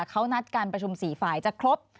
เขานัดการประชุม๔ฝ่ายจะครบ